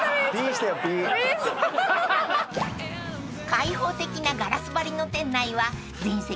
［開放的なガラス張りの店内は全席